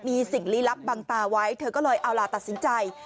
มีสิ่งลี้ลับบังตาไว้เธอก็เลยเอาล่ะตัดสินใจ